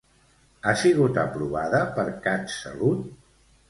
Ha sigut aprovada per CatSalut?